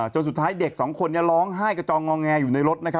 จนสุดท้ายเด็กสองคนร้องไห้กระจองงอแงอยู่ในรถ